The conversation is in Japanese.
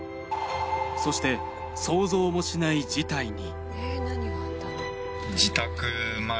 そして想像もしない事態に。